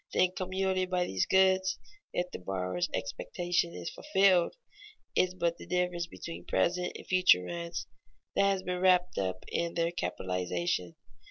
The income yielded by these goods, if the borrower's expectation is fulfilled, is but the difference between present and future rents that has been wrapped up in their capitalization.